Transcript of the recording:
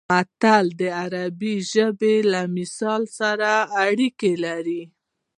متل د عربي ژبې له مثل سره اړیکه لري